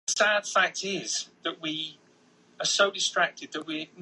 卢齐阿尼亚是巴西戈亚斯州的一个市镇。